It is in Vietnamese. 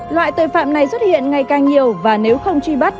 loại tội phạm này xuất hiện ngày càng nhiều và nếu không truy bắt